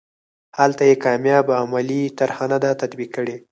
هلته یې کامیابه عملي طرحه نه ده تطبیق کړې.